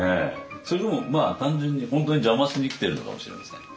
それともまあ単純に本当に邪魔しに来ているのかもしれません。